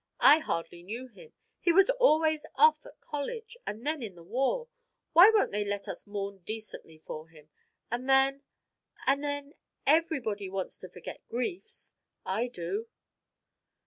I hardly knew him; he was always off at college, and then in the war; why won't they let us mourn decently for him? And then and then everybody wants to forget griefs. I do."